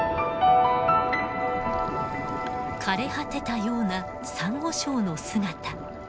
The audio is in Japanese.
枯れ果てたようなサンゴ礁の姿。